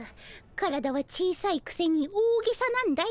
体は小さいくせに大げさなんだよ。